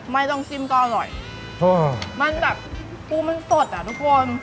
ต้มจิ้มก็อร่อยมันแบบปูมันสดอ่ะทุกคน